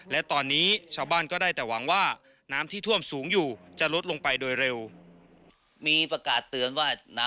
และตอนนี้ชาวบ้านก็ได้แต่หวังว่าน้ำที่ท่วมสูงอยู่จะลดลงไปโดยเร็ว